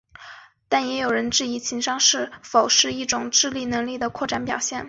但也有人质疑情商是否是一种智力能力的扩展表现。